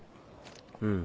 うん。